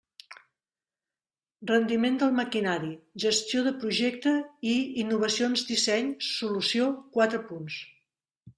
Rendiment del maquinari, Gestió de projecte i Innovacions disseny solució: quatre punts.